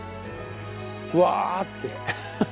「うわ」って。